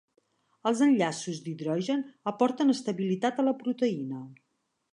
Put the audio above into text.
Els enllaços d'hidrogen aporten estabilitat a la proteïna.